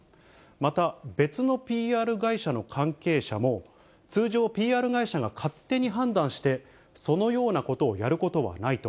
また、別のＰＲ会社の関係者も、通常、ＰＲ会社が勝手に判断して、そのようなことをやることはないと。